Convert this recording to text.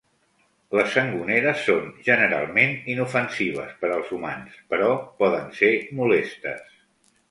Les sangoneres són generalment inofensives per als humans, però poden ser molestes.